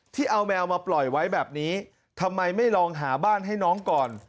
ที่เอาแมวมาปล่อยไว้แบบนี้ทำไมไม่ลองหาบ้านให้น้องก่อน